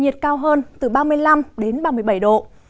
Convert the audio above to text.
từ ba mươi năm đến ba mươi bảy độ